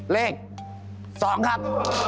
เลข๒ครับ